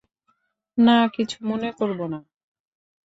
না, কিছু মনে করবো না।